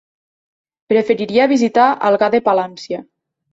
Preferiria visitar Algar de Palància.